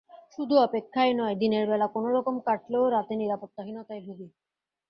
শুধু অপেক্ষাই নয়, দিনের বেলা কোনো রকম কাটলেও রাতে নিরাপত্তাহীনতায় ভুগি।